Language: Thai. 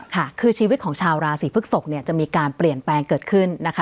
ค่ะคือชีวิตของชาวราศีพฤกษกเนี่ยจะมีการเปลี่ยนแปลงเกิดขึ้นนะคะ